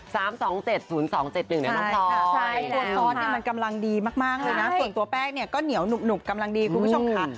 ตัวซอสมันกำลังดีมากส่วนตัวแป้กเนี่ยก็เหนียวหนุบกำลังดีคุณผู้ชมค่ะ